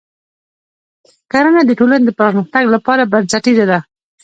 کرنه د ټولنې د پرمختګ لپاره بنسټیزه ده.